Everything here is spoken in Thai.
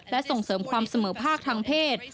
และส่งเสริมความเสมอภาคทางเพศ